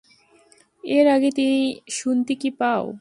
এর আগে তিনি "শুনতে কি পাও!"